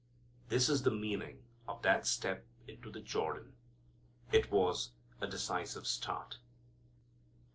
This is the meaning of that step into the Jordan. It was the decisive start.